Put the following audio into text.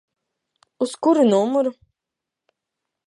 Uz kuru numuru?